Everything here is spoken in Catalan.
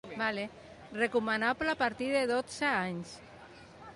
Recomanable a partir de dotze anys.